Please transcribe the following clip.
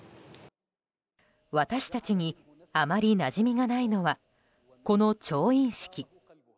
私たちにあまりなじみがないのはこの調印式。